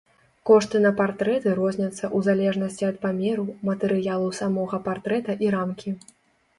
Кошты на партрэты розняцца ў залежнасці ад памеру, матэрыялу самога партрэта і рамкі.